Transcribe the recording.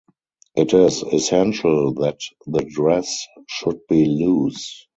It is essential that the dress should be loose.